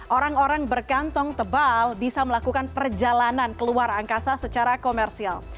orang orang berkantong tebal bisa melakukan perjalanan ke luar angkasa secara komersial